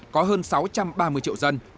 có hơn sáu trăm ba mươi triệu dân